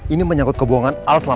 ini menyangkut kebuangan alas lama ini